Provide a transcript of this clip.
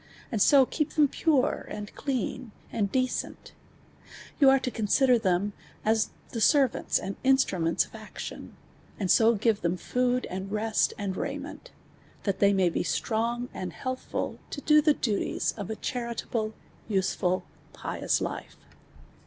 and so keep them pare, and clean, ami decent ; v<ni are to consider them as the servants and instrninents of action, and so {•ivt* tin in lood. and rest, and raiment, tiiat tliey may / be slron;;aml heailhCid todo tliethities ol" a charilahie, ^ usel'nl. pious life.